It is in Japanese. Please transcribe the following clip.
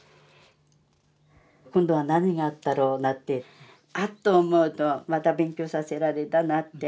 「今度は何があったろう」なんてあっと思うとまた勉強させられたなって。